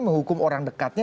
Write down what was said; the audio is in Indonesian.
menghukum orang dekatnya